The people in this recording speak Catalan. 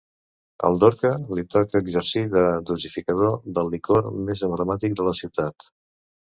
Al Dorca li toca exercir de dosificador del licor més emblemàtic de la ciutat.